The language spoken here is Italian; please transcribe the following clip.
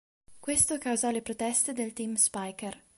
Questo causò le proteste del team Spyker.